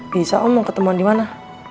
bisa om mau ketemuan di mana